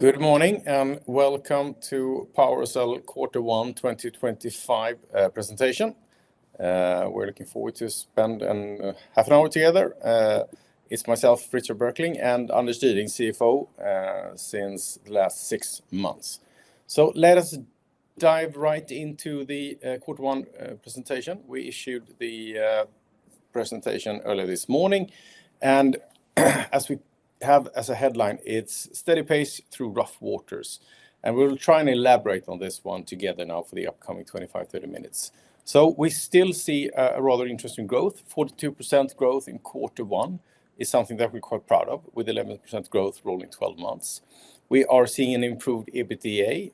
Good morning. Welcome to PowerCell Quarter One 2025 presentation. We're looking forward to spending half an hour together. It's myself, Richard Berkling, and Anders Düring, CFO, since the last six months. Let us dive right into the Quarter One presentation. We issued the presentation earlier this morning. As we have as a headline, it's steady pace through rough waters. We'll try and elaborate on this one together now for the upcoming 25-30 minutes. We still see a rather interesting growth. 42% growth in Quarter One is something that we're quite proud of, with 11% growth rolling 12 months. We are seeing an improved EBITDA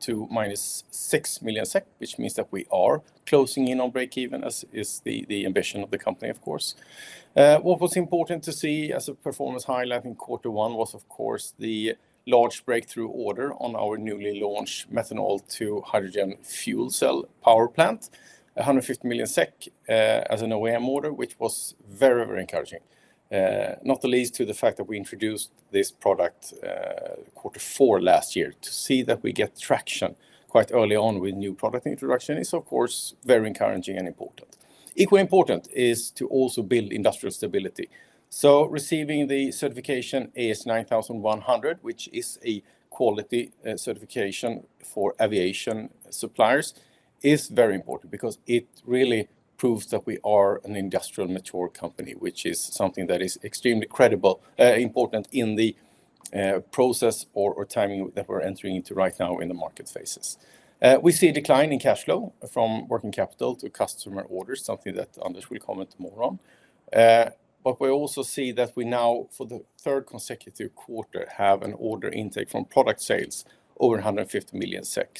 to minus 6 million SEK, which means that we are closing in on breakeven, as is the ambition of the company, of course. What was important to see as a performance highlight in Quarter One was, of course, the large breakthrough order on our newly launched methanol-to-hydrogen fuel cell power plant, 150 million SEK as an OEM order, which was very, very encouraging. Not the least to the fact that we introduced this product Quarter Four last year. To see that we get traction quite early on with new product introduction is, of course, very encouraging and important. Equally important is to also build industrial stability. Receiving the certification AS 9100, which is a quality certification for aviation suppliers, is very important because it really proves that we are an industrial mature company, which is something that is extremely credible and important in the process or timing that we are entering into right now in the market phases. We see a decline in cash flow from working capital to customer orders, something that Anders will comment more on. We also see that we now, for the third consecutive quarter, have an order intake from product sales over 150 million SEK.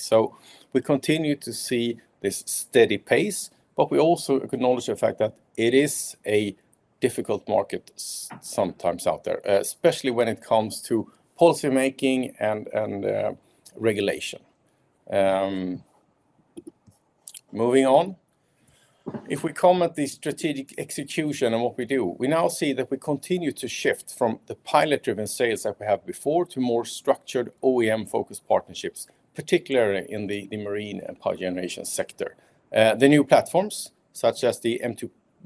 We continue to see this steady pace, but we also acknowledge the fact that it is a difficult market sometimes out there, especially when it comes to policymaking and regulation. Moving on. If we comment the strategic execution and what we do, we now see that we continue to shift from the pilot-driven sales that we had before to more structured OEM-focused partnerships, particularly in the marine and power generation sector. The new platforms, such as the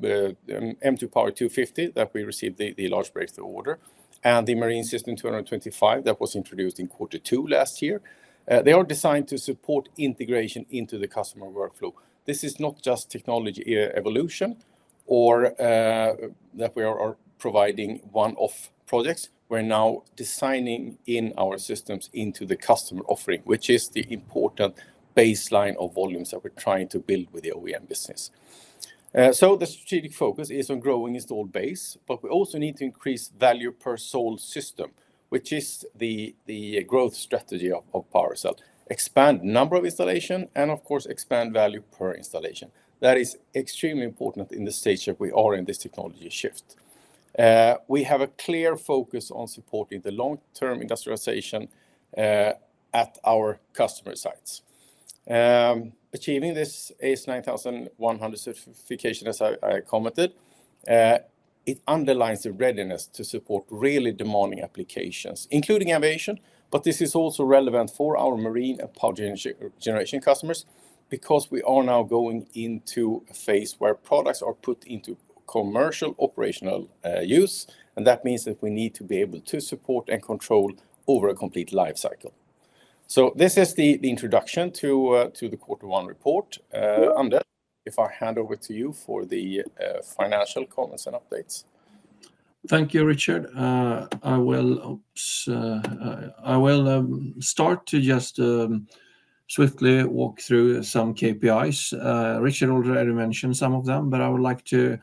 M2 Power 250 that we received the large breakthrough order, and the Marine System 225 that was introduced in Quarter Two last year, they are designed to support integration into the customer workflow. This is not just technology evolution or that we are providing one-off projects. We're now designing in our systems into the customer offering, which is the important baseline of volumes that we're trying to build with the OEM business. The strategic focus is on growing installed base, but we also need to increase value per sold system, which is the growth strategy of PowerCell. Expand number of installations and, of course, expand value per installation. That is extremely important in the stage that we are in this technology shift. We have a clear focus on supporting the long-term industrialization at our customer sites. Achieving this AS 9100 certification, as I commented, it underlines the readiness to support really demanding applications, including aviation. This is also relevant for our marine and power generation customers because we are now going into a phase where products are put into commercial operational use. That means that we need to be able to support and control over a complete life cycle. This is the introduction to the Quarter One report. Anders, if I hand over to you for the financial comments and updates. Thank you, Richard. I will start to just swiftly walk through some KPIs. Richard already mentioned some of them, but I would like to,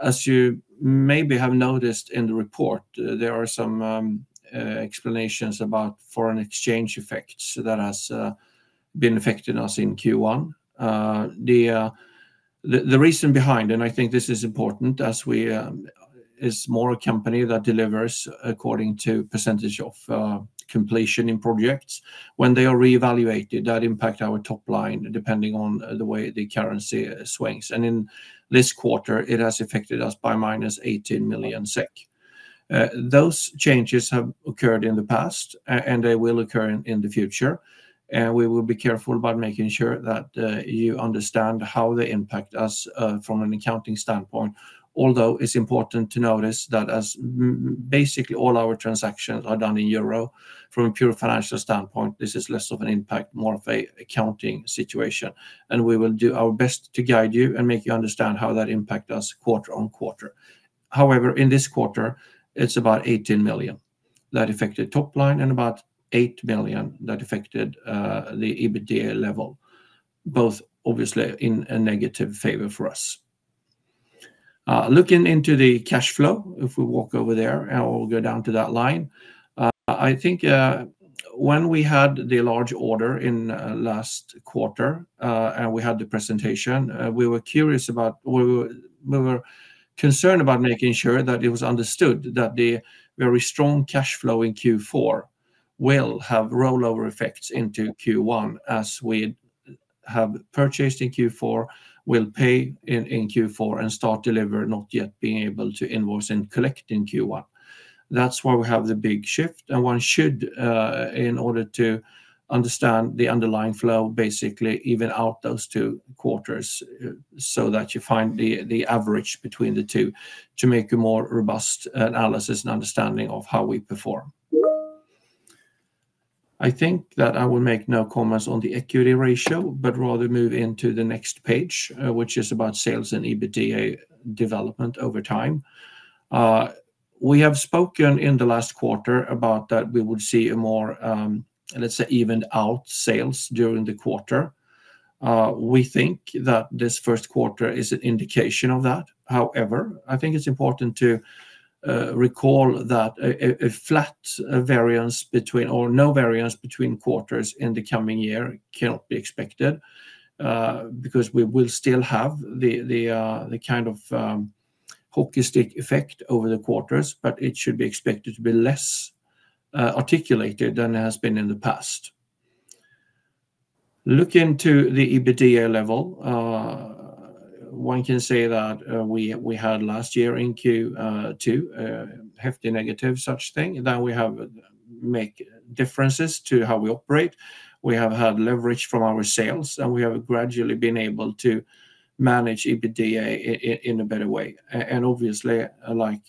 as you maybe have noticed in the report, there are some explanations about foreign exchange effects that have been affecting us in Q1. The reason behind, and I think this is important as we are more a company that delivers according to percentage of completion in projects, when they are reevaluated, that impact our top line depending on the way the currency swings. In this quarter, it has affected us by minus 18 million SEK. Those changes have occurred in the past and they will occur in the future. We will be careful about making sure that you understand how they impact us from an accounting standpoint. Although it's important to notice that as basically all our transactions are done in euro, from a pure financial standpoint, this is less of an impact, more of an accounting situation. We will do our best to guide you and make you understand how that impacts us quarter on quarter. However, in this quarter, it's about 18 million that affected top line and about 8 million that affected the EBITDA level, both obviously in a negative favor for us. Looking into the cash flow, if we walk over there and we'll go down to that line, I think when we had the large order in last quarter and we had the presentation, we were curious about, we were concerned about making sure that it was understood that the very strong cash flow in Q4 will have rollover effects into Q1 as we have purchased in Q4, will pay in Q4 and start delivering, not yet being able to invoice and collect in Q1. That's where we have the big shift. One should, in order to understand the underlying flow, basically even out those two quarters so that you find the average between the two to make a more robust analysis and understanding of how we perform. I think that I will make no comments on the equity ratio, but rather move into the next page, which is about sales and EBITDA development over time. We have spoken in the last quarter about that we would see a more, let's say, evened out sales during the quarter. We think that this first quarter is an indication of that. However, I think it's important to recall that a flat variance between or no variance between quarters in the coming year cannot be expected because we will still have the kind of hockey stick effect over the quarters, but it should be expected to be less articulated than it has been in the past. Looking to the EBITDA level, one can say that we had last year in Q2, hefty negative such thing. Now we have made differences to how we operate. We have had leverage from our sales and we have gradually been able to manage EBITDA in a better way. Obviously, like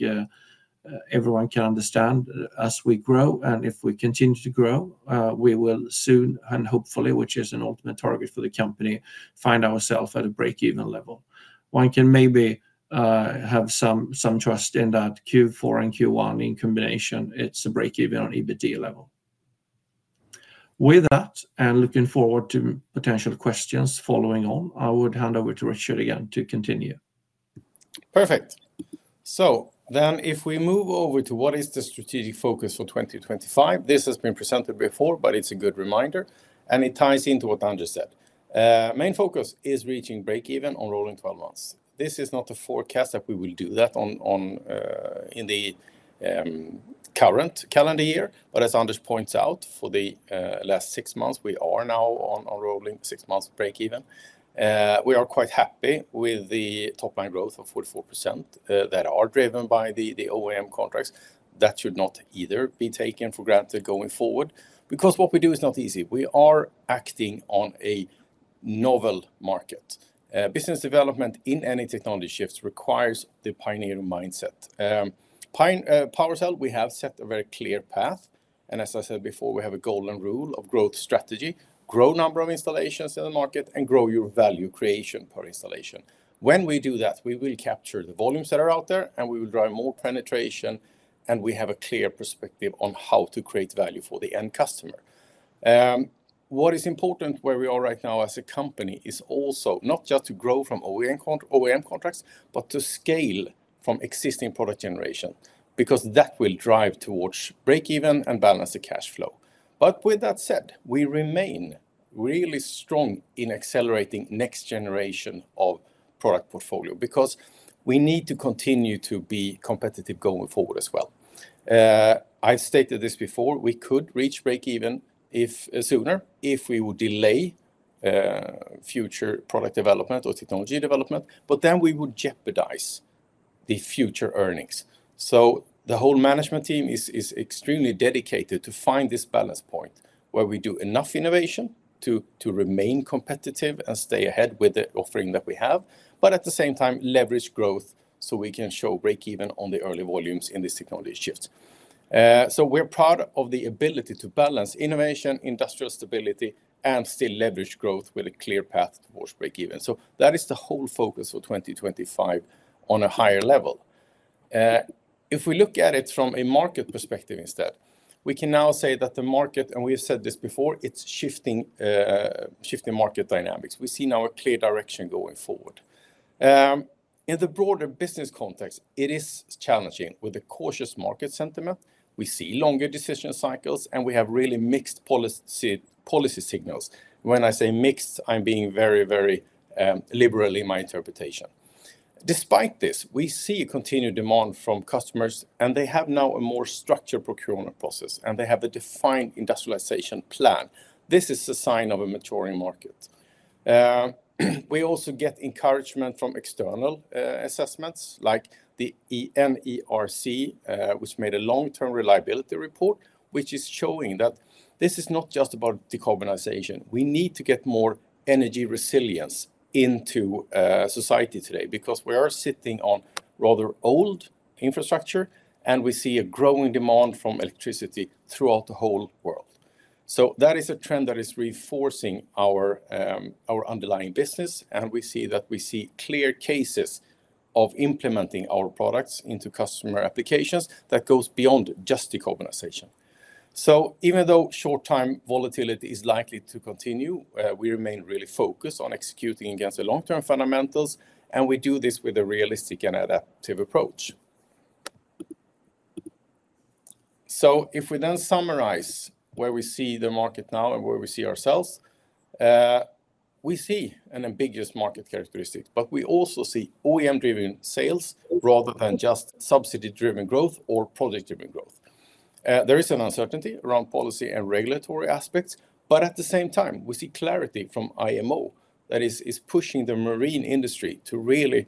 everyone can understand, as we grow and if we continue to grow, we will soon and hopefully, which is an ultimate target for the company, find ourself at a breakeven level. One can maybe have some trust in that Q4 and Q1 in combination, it is a breakeven on EBITDA level. With that, and looking forward to potential questions following on, I would hand over to Richard again to continue. Perfect. If we move over to what is the strategic focus for 2025, this has been presented before, but it is a good reminder. It ties into what Anders said. Main focus is reaching breakeven on rolling 12 months. This is not a forecast that we will do that in the current calendar year, but as Anders points out, for the last six months, we are now on rolling six months breakeven. We are quite happy with the top line growth of 44% that are driven by the OEM contracts. That should not either be taken for granted going forward because what we do is not easy. We are acting on a novel market. Business development in any technology shift requires the pioneering mindset. PowerCell, we have set a very clear path. As I said before, we have a golden rule of growth strategy. Grow number of installations in the market and grow your value creation per installation. When we do that, we will capture the volumes that are out there and we will drive more penetration and we have a clear perspective on how to create value for the end customer. What is important where we are right now as a company is also not just to grow from OEM contracts, but to scale from existing product generation because that will drive towards breakeven and balance the cash flow. With that said, we remain really strong in accelerating next generation of product portfolio because we need to continue to be competitive going forward as well. I've stated this before, we could reach breakeven sooner if we would delay future product development or technology development, but then we would jeopardize the future earnings. The whole management team is extremely dedicated to find this balance point where we do enough innovation to remain competitive and stay ahead with the offering that we have, but at the same time, leverage growth so we can show breakeven on the early volumes in this technology shift. We are proud of the ability to balance innovation, industrial stability, and still leverage growth with a clear path towards breakeven. That is the whole focus for 2025 on a higher level. If we look at it from a market perspective instead, we can now say that the market, and we have said this before, is shifting market dynamics. We see now a clear direction going forward. In the broader business context, it is challenging with a cautious market sentiment. We see longer decision cycles and we have really mixed policy signals. When I say mixed, I'm being very, very liberal in my interpretation. Despite this, we see continued demand from customers and they have now a more structured procurement process and they have a defined industrialization plan. This is a sign of a maturing market. We also get encouragement from external assessments like the NERC, which made a long-term reliability report, which is showing that this is not just about decarbonization. We need to get more energy resilience into society today because we are sitting on rather old infrastructure and we see a growing demand from electricity throughout the whole world. That is a trend that is reinforcing our underlying business and we see that we see clear cases of implementing our products into customer applications that goes beyond just decarbonization. Even though short-term volatility is likely to continue, we remain really focused on executing against the long-term fundamentals and we do this with a realistic and adaptive approach. If we then summarize where we see the market now and where we see ourselves, we see an ambiguous market characteristic, but we also see OEM-driven sales rather than just subsidy-driven growth or project-driven growth. There is an uncertainty around policy and regulatory aspects, but at the same time, we see clarity from IMO that is pushing the marine industry to really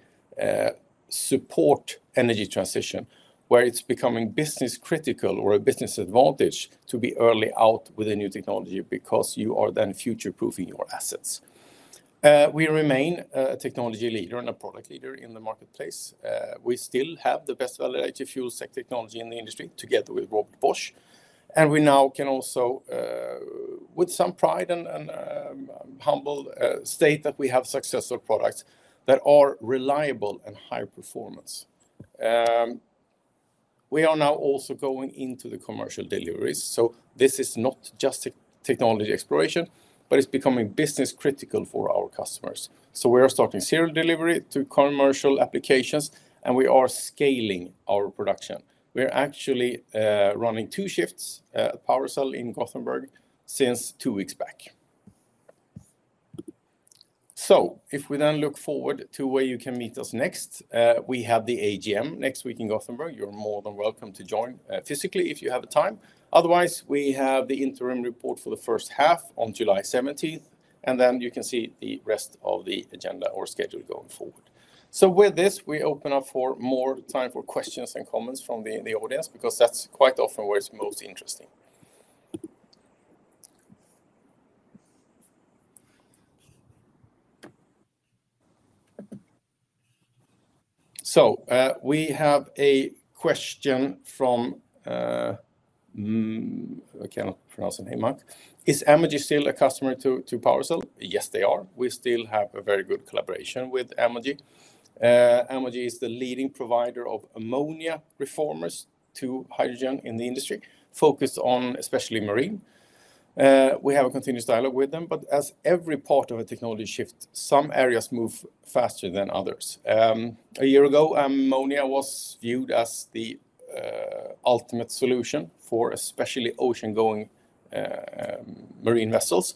support energy transition where it's becoming business critical or a business advantage to be early out with a new technology because you are then future-proofing your assets. We remain a technology leader and a product leader in the marketplace. We still have the best validated fuel tech technology in the industry together with Bosch. We now can also, with some pride and humble, state that we have successful products that are reliable and high performance. We are now also going into the commercial deliveries. This is not just technology exploration, but it's becoming business critical for our customers. We are starting serial delivery to commercial applications and we are scaling our production. We are actually running two shifts at PowerCell in Gothenburg since two weeks back. If we then look forward to where you can meet us next, we have the AGM next week in Gothenburg. You're more than welcome to join physically if you have a time. Otherwise, we have the interim report for the first half on July 17th, and you can see the rest of the agenda or schedule going forward. With this, we open up for more time for questions and comments from the audience because that's quite often where it's most interesting. We have a question from, I cannot pronounce his name, Mark. Is Amagi still a customer to PowerCell? Yes, they are. We still have a very good collaboration with Amagi. Amagi is the leading provider of ammonia reformers to hydrogen in the industry, focused on especially marine. We have a continuous dialogue with them, but as every part of a technology shift, some areas move faster than others. A year ago, ammonia was viewed as the ultimate solution for especially ocean-going marine vessels.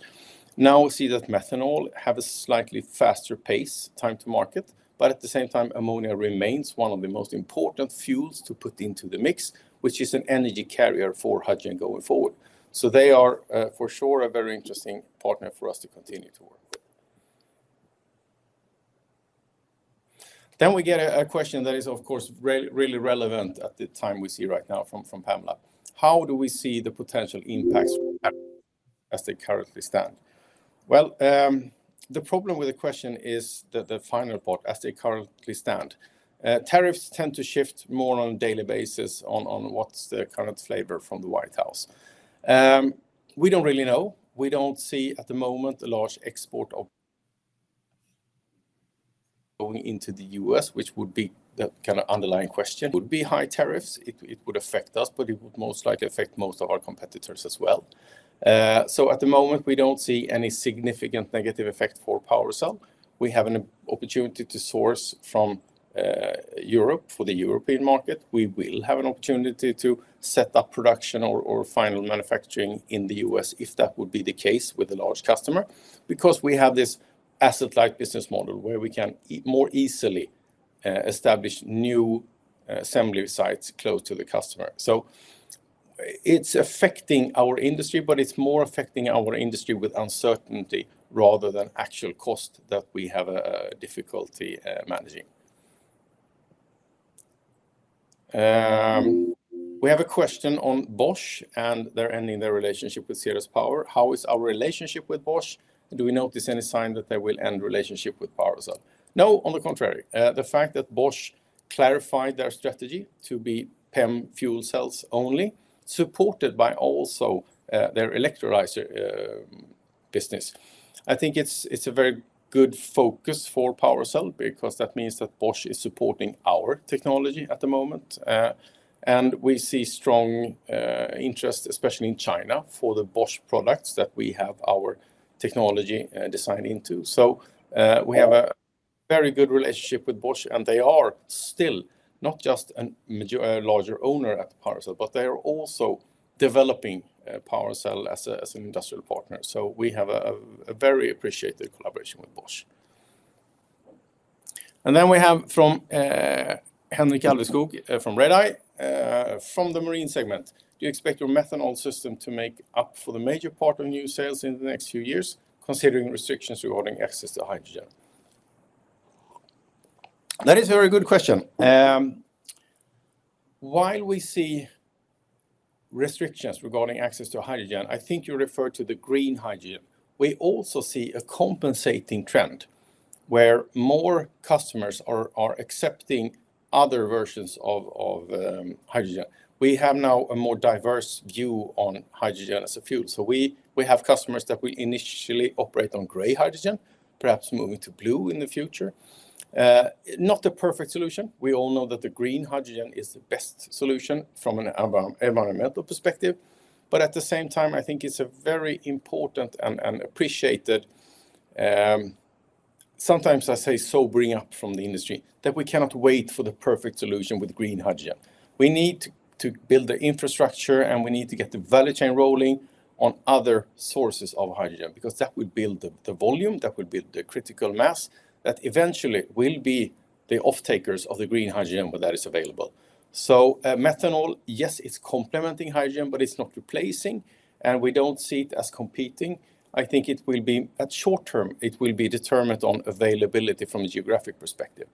Now we see that methanol has a slightly faster pace, time to market, but at the same time, ammonia remains one of the most important fuels to put into the mix, which is an energy carrier for hydrogen going forward. They are for sure a very interesting partner for us to continue to work with. We get a question that is, of course, really relevant at the time we see right now from Pamela. How do we see the potential impacts as they currently stand? The problem with the question is the final part, as they currently stand. Tariffs tend to shift more on a daily basis on what's the current flavor from the White House. We don't really know. We don't see at the moment a large export going into the US, which would be the kind of underlying question. Would be high tariffs. It would affect us, but it would most likely affect most of our competitors as well. At the moment, we don't see any significant negative effect for PowerCell. We have an opportunity to source from Europe for the European market. We will have an opportunity to set up production or final manufacturing in the US if that would be the case with a large customer, because we have this asset-like business model where we can more easily establish new assembly sites close to the customer. It is affecting our industry, but it is more affecting our industry with uncertainty rather than actual cost that we have a difficulty managing. We have a question on Bosch and their ending their relationship with Cirrus Power. How is our relationship with Bosch? Do we notice any sign that they will end relationship with PowerCell? No, on the contrary. The fact that Bosch clarified their strategy to be PEM fuel cells only, supported by also their electrolyzer business. I think it is a very good focus for PowerCell because that means that Bosch is supporting our technology at the moment. We see strong interest, especially in China, for the Bosch products that we have our technology designed into. We have a very good relationship with Bosch, and they are still not just a larger owner at PowerCell, but they are also developing PowerCell as an industrial partner. We have a very appreciated collaboration with Bosch. From Henrik Alveskog from Redeye, from the marine segment: Do you expect your methanol system to make up for the major part of new sales in the next few years, considering restrictions regarding access to hydrogen? That is a very good question. While we see restrictions regarding access to hydrogen, I think you refer to the green hydrogen. We also see a compensating trend where more customers are accepting other versions of hydrogen. We have now a more diverse view on hydrogen as a fuel. We have customers that will initially operate on gray hydrogen, perhaps moving to blue in the future. Not a perfect solution. We all know that the green hydrogen is the best solution from an environmental perspective. At the same time, I think it's a very important and appreciated, sometimes I say sobering up from the industry, that we cannot wait for the perfect solution with green hydrogen. We need to build the infrastructure and we need to get the value chain rolling on other sources of hydrogen because that will build the volume, that will build the critical mass that eventually will be the off-takers of the green hydrogen when that is available. Methanol, yes, it's complementing hydrogen, but it's not replacing and we don't see it as competing. I think it will be, at short term, it will be determined on availability from a geographic perspective.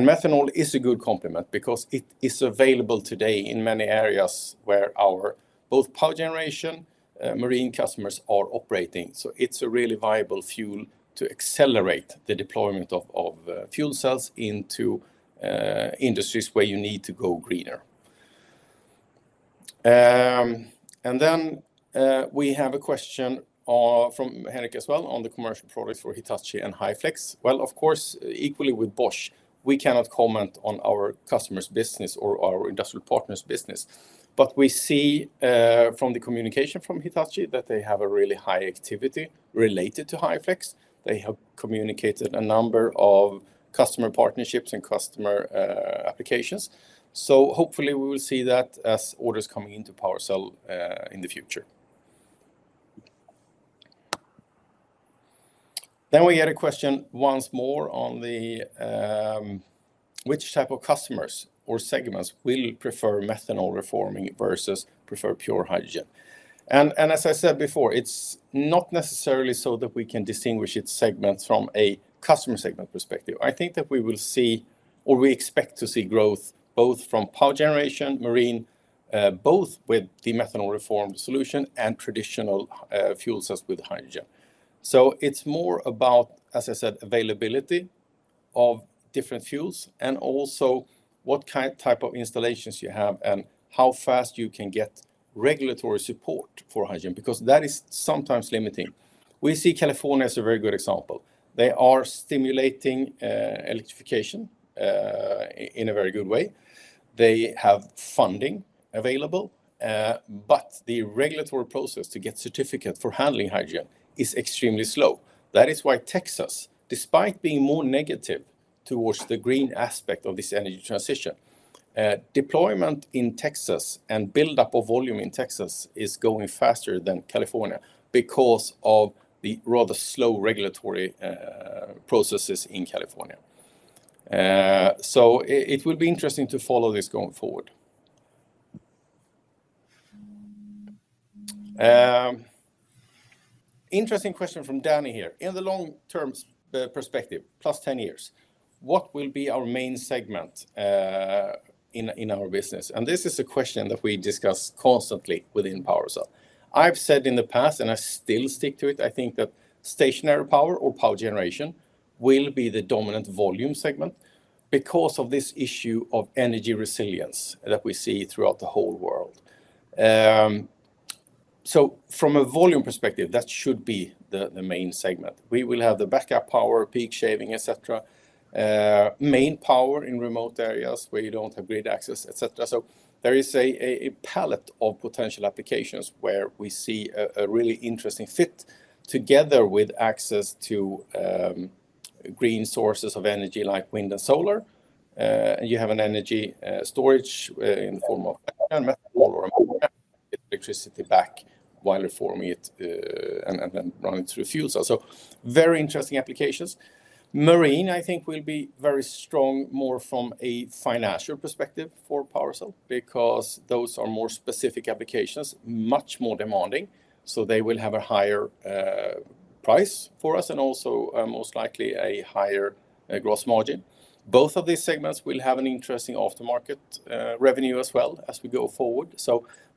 Methanol is a good complement because it is available today in many areas where our both power generation marine customers are operating. It is a really viable fuel to accelerate the deployment of fuel cells into industries where you need to go greener. We have a question from Henrik as well on the commercial products for Hitachi and HyFlex. Of course, equally with Bosch, we cannot comment on our customers' business or our industrial partners' business. We see from the communication from Hitachi that they have a really high activity related to HyFlex. They have communicated a number of customer partnerships and customer applications. Hopefully we will see that as orders coming into PowerCell in the future. We get a question once more on which type of customers or segments will prefer methanol reforming versus prefer pure hydrogen. As I said before, it's not necessarily so that we can distinguish its segments from a customer segment perspective. I think that we will see, or we expect to see, growth both from power generation, marine, both with the methanol reform solution and traditional fuel cells with hydrogen. It's more about, as I said, availability of different fuels and also what type of installations you have and how fast you can get regulatory support for hydrogen because that is sometimes limiting. We see California as a very good example. They are stimulating electrification in a very good way. They have funding available, but the regulatory process to get certificate for handling hydrogen is extremely slow. That is why Texas, despite being more negative towards the green aspect of this energy transition, deployment in Texas and buildup of volume in Texas is going faster than California because of the rather slow regulatory processes in California. It will be interesting to follow this going forward. Interesting question from Danny here. In the long-term perspective, plus 10 years, what will be our main segment in our business? This is a question that we discuss constantly within PowerCell. I've said in the past, and I still stick to it, I think that stationary power or power generation will be the dominant volume segment because of this issue of energy resilience that we see throughout the whole world. From a volume perspective, that should be the main segment. We will have the backup power, peak shaving, et cetera, main power in remote areas where you do not have grid access, et cetera. There is a palette of potential applications where we see a really interesting fit together with access to green sources of energy like wind and solar. You have an energy storage in the form of methanol or electricity back while reforming it and then running through fuel cells. Very interesting applications. Marine, I think, will be very strong more from a financial perspective for PowerCell because those are more specific applications, much more demanding. They will have a higher price for us and also most likely a higher gross margin. Both of these segments will have an interesting aftermarket revenue as well as we go forward.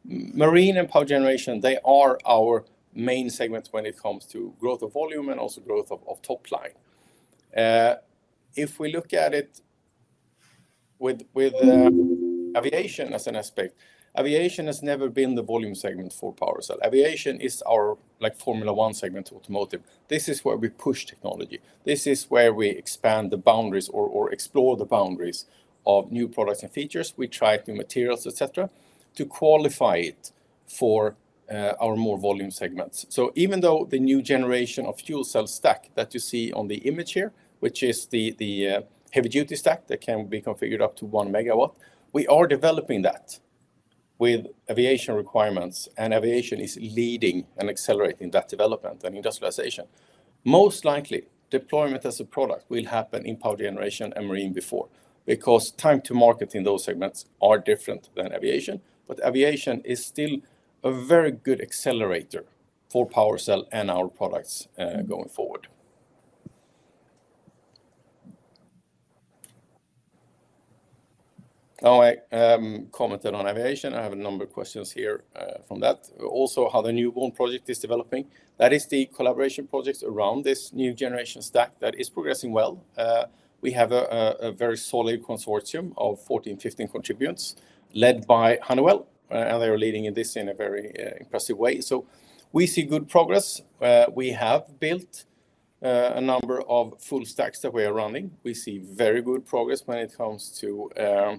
Marine and power generation, they are our main segments when it comes to growth of volume and also growth of top line. If we look at it with aviation as an aspect, aviation has never been the volume segment for PowerCell. Aviation is our Formula 1 segment automotive. This is where we push technology. This is where we expand the boundaries or explore the boundaries of new products and features. We try new materials, et cetera, to qualify it for our more volume segments. Even though the new generation of fuel cell stack that you see on the image here, which is the heavy-duty stack that can be configured up to one megawatt, we are developing that with aviation requirements. Aviation is leading and accelerating that development and industrialization. Most likely, deployment as a product will happen in power generation and marine before because time to market in those segments are different than aviation. Aviation is still a very good accelerator for PowerCell and our products going forward. I commented on aviation. I have a number of questions here from that. Also, how the Newborn project is developing. That is the collaboration project around this new generation stack that is progressing well. We have a very solid consortium of 14-15 contributors led by Honeywell, and they are leading this in a very impressive way. We see good progress. We have built a number of full stacks that we are running. We see very good progress when it comes to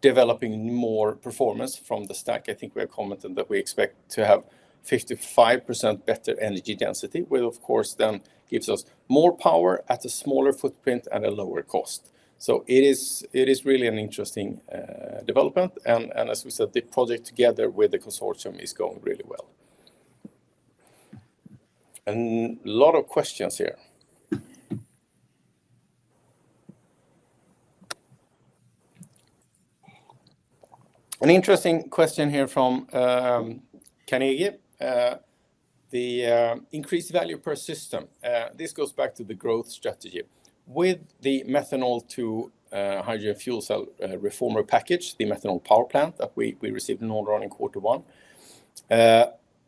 developing more performance from the stack. I think we have commented that we expect to have 55% better energy density, which of course then gives us more power at a smaller footprint and a lower cost. It is really an interesting development. As we said, the project together with the consortium is going really well. A lot of questions here. An interesting question here from Kanigi. The increased value per system. This goes back to the growth strategy. With the methanol-to-hydrogen fuel cell reformer package, the methanol power plant that we received in order in quarter one,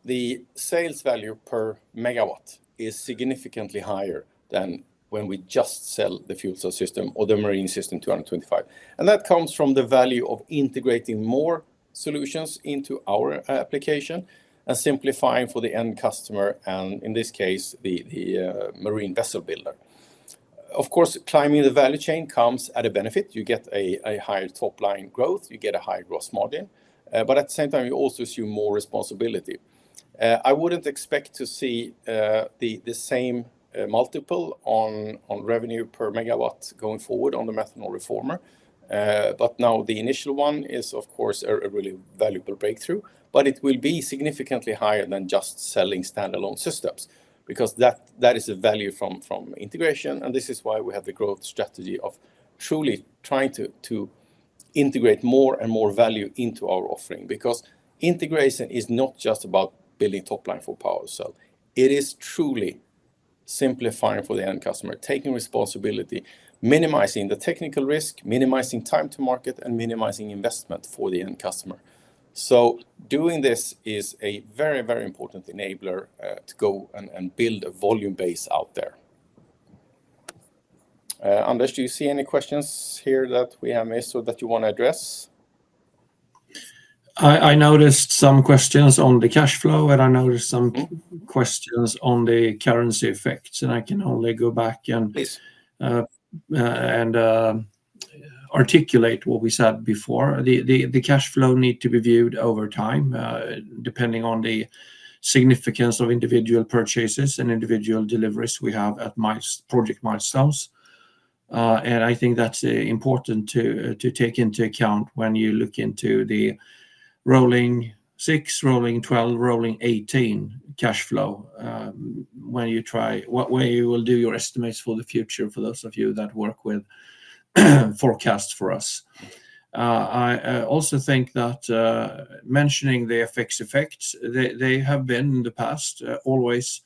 the sales value per megawatt is significantly higher than when we just sell the fuel cell system or the Marine System 225. That comes from the value of integrating more solutions into our application and simplifying for the end customer, and in this case, the marine vessel builder. Of course, climbing the value chain comes at a benefit. You get a higher top line growth. You get a higher gross margin. At the same time, you also assume more responsibility. I would not expect to see the same multiple on revenue per megawatt going forward on the methanol reformer. The initial one is, of course, a really valuable breakthrough. It will be significantly higher than just selling standalone systems because that is a value from integration. This is why we have the growth strategy of truly trying to integrate more and more value into our offering because integration is not just about building top line for PowerCell. It is truly simplifying for the end customer, taking responsibility, minimizing the technical risk, minimizing time to market, and minimizing investment for the end customer. Doing this is a very, very important enabler to go and build a volume base out there. Anders, do you see any questions here that we have missed or that you want to address? I noticed some questions on the cash flow, and I noticed some questions on the currency effects. I can only go back and articulate what we said before. The cash flow needs to be viewed over time depending on the significance of individual purchases and individual deliveries we have at project milestones. I think that is important to take into account when you look into the rolling 6, rolling 12, rolling 18 cash flow when you try where you will do your estimates for the future for those of you that work with forecasts for us. I also think that mentioning the FX effects, they have been in the past always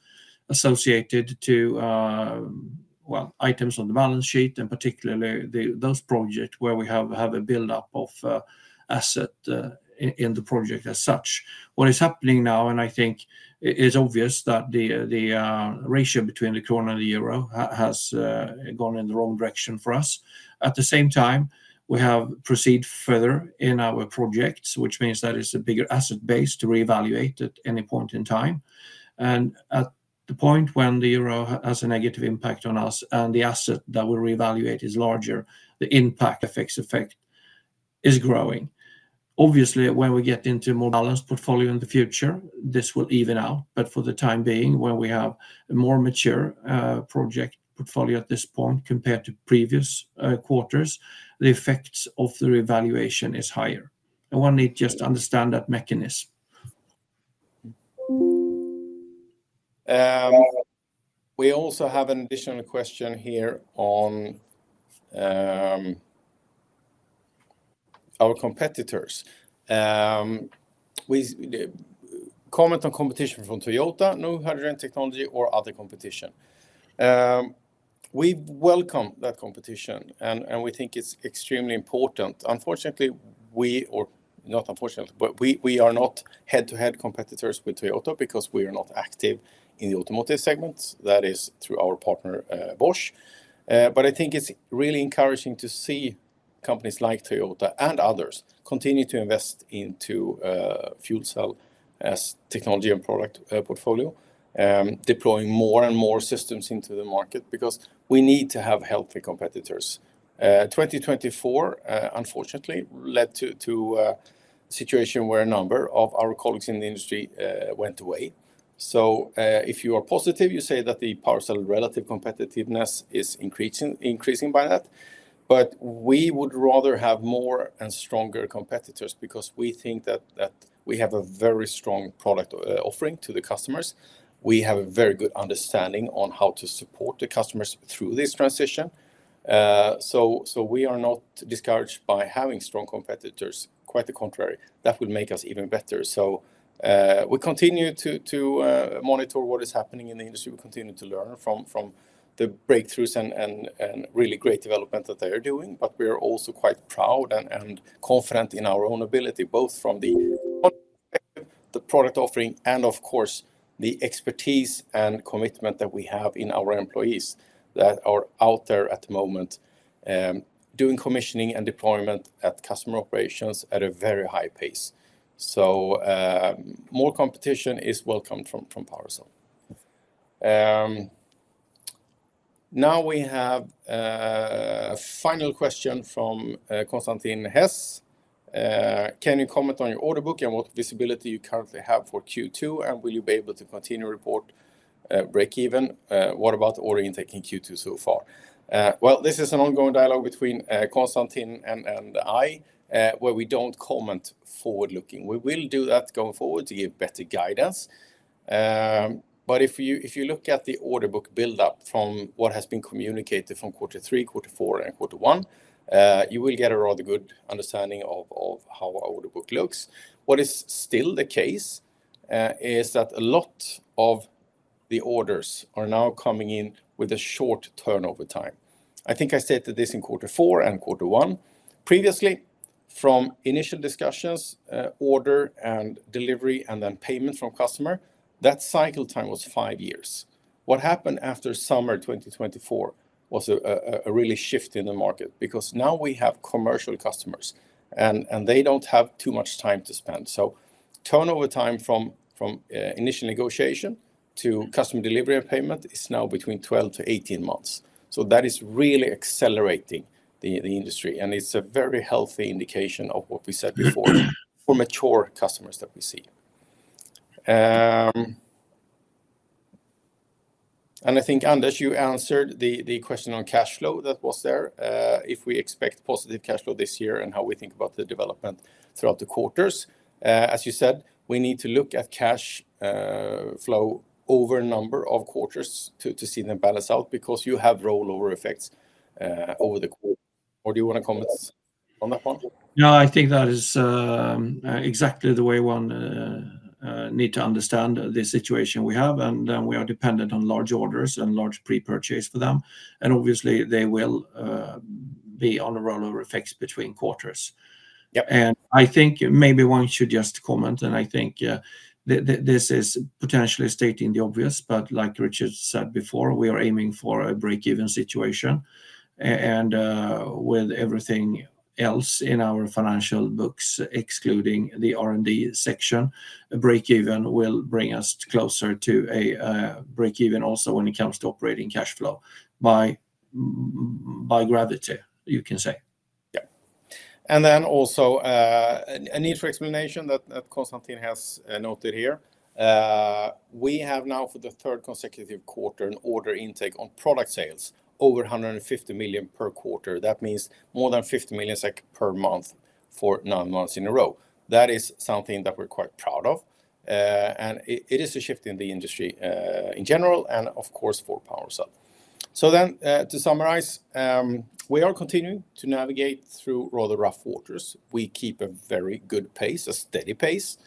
associated to, well, items on the balance sheet and particularly those projects where we have a buildup of asset in the project as such. What is happening now, and I think it's obvious that the ratio between the krone and the euro has gone in the wrong direction for us. At the same time, we have proceeded further in our projects, which means that it's a bigger asset base to reevaluate at any point in time. At the point when the euro has a negative impact on us and the asset that we reevaluate is larger, the impact. FX effect is growing. Obviously, when we get into a more balanced portfolio in the future, this will even out. For the time being, when we have a more mature project portfolio at this point compared to previous quarters, the effects of the reevaluation are higher. I want to just understand that mechanism. We also have an additional question here on our competitors. Comment on competition from Toyota, new hydrogen technology, or other competition. We welcome that competition, and we think it's extremely important. Unfortunately, we are not head-to-head competitors with Toyota because we are not active in the automotive segment. That is through our partner, Bosch. I think it's really encouraging to see companies like Toyota and others continue to invest into fuel cell technology and product portfolio, deploying more and more systems into the market because we need to have healthy competitors. 2024, unfortunately, led to a situation where a number of our colleagues in the industry went away. If you are positive, you say that the PowerCell relative competitiveness is increasing by that. We would rather have more and stronger competitors because we think that we have a very strong product offering to the customers. We have a very good understanding on how to support the customers through this transition. We are not discouraged by having strong competitors. Quite the contrary. That would make us even better. We continue to monitor what is happening in the industry. We continue to learn from the breakthroughs and really great development that they are doing. We are also quite proud and confident in our own ability, both from the product offering and, of course, the expertise and commitment that we have in our employees that are out there at the moment doing commissioning and deployment at customer operations at a very high pace. More competition is welcome from PowerCell. Now we have a final question from Konstantin Hess. Can you comment on your order book and what visibility you currently have for Q2? Will you be able to continue report break-even? What about order intake in Q2 so far? This is an ongoing dialogue between Konstantin and I, where we do not comment forward-looking. We will do that going forward to give better guidance. If you look at the order book buildup from what has been communicated from quarter three, quarter four, and quarter one, you will get a rather good understanding of how our order book looks. What is still the case is that a lot of the orders are now coming in with a short turnover time. I think I stated this in quarter four and quarter one. Previously, from initial discussions, order and delivery, and then payment from customer, that cycle time was five years. What happened after summer 2024 was a really shift in the market because now we have commercial customers, and they do not have too much time to spend. Turnover time from initial negotiation to customer delivery and payment is now between 12-18 months. That is really accelerating the industry. It is a very healthy indication of what we said before for mature customers that we see. I think, Anders, you answered the question on cash flow that was there. If we expect positive cash flow this year and how we think about the development throughout the quarters, as you said, we need to look at cash flow over a number of quarters to see them balance out because you have rollover effects over the quarter. Do you want to comment on that one? No, I think that is exactly the way one needs to understand the situation we have. We are dependent on large orders and large pre-purchase for them. Obviously, they will be on a rollover effect between quarters. I think maybe one should just comment. I think this is potentially stating the obvious. Like Richard said before, we are aiming for a break-even situation. With everything else in our financial books, excluding the R&D section, a break-even will bring us closer to a break-even also when it comes to operating cash flow by gravity, you can say. There is also a need for explanation that Konstantin has noted here. We have now, for the third consecutive quarter, an order intake on product sales over 150 million per quarter. That means more than 50 million SEK per month for nine months in a row. That is something that we're quite proud of. It is a shift in the industry in general and, of course, for PowerCell. To summarize, we are continuing to navigate through rather rough waters. We keep a very good pace, a steady pace.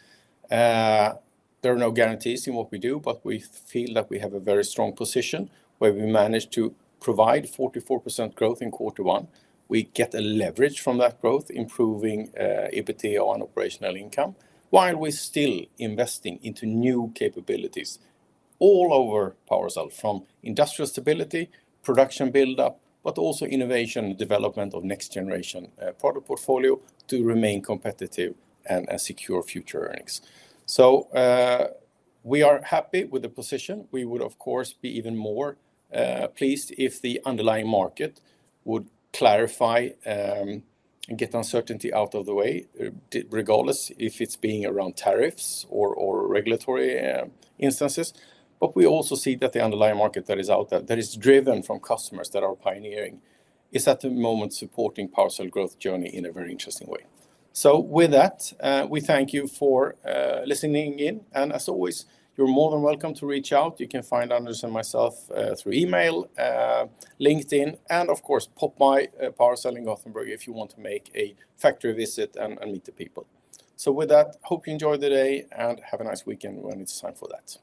There are no guarantees in what we do, but we feel that we have a very strong position where we managed to provide 44% growth in quarter one. We get a leverage from that growth, improving EBITDA on operational income while we're still investing into new capabilities all over PowerCell from industrial stability, production buildup, but also innovation and development of next-generation product portfolio to remain competitive and secure future earnings. We are happy with the position. We would, of course, be even more pleased if the underlying market would clarify and get uncertainty out of the way, regardless if it's being around tariffs or regulatory instances. We also see that the underlying market that is out there, that is driven from customers that are pioneering, is at the moment supporting PowerCell's growth journey in a very interesting way. With that, we thank you for listening in. As always, you're more than welcome to reach out. You can find Anders and myself through email, LinkedIn, and, of course, pop by PowerCell in Gothenburg if you want to make a factory visit and meet the people. With that, hope you enjoy the day and have a nice weekend when it's time for that.